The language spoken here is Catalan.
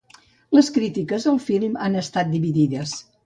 Les crítiques al film han estat dividides.